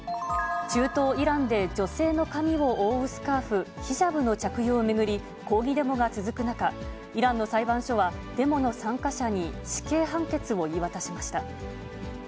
中東イランで、女性の髪を覆うスカーフ、ヒジャブの着用を巡り、抗議デモが続く中、イランの裁判所は、デモの参加者に死刑判決を言い渡しました。